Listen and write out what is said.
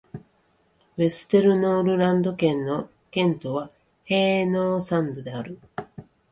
ヴェステルノールランド県の県都はヘーノーサンドである